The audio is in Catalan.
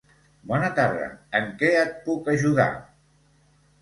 Bona tarda, en què et puc ajudar?